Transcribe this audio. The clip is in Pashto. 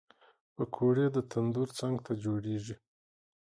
پکورې د تندور څنګ ته جوړېږي